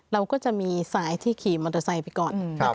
เราก็จะมีสายที่ขี่มอเตอร์ไซค์ไปก่อน